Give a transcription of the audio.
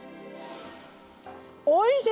おいしい！